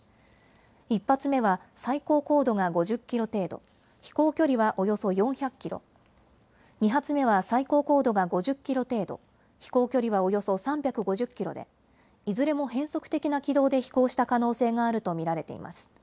１発目は最高高度が５０キロ程度、飛行距離はおよそ４００キロ、２発目は最高高度が５０キロ程度、飛行距離はおよそ３５０キロでいずれも変則的な軌道で飛行した可能性があると見られています。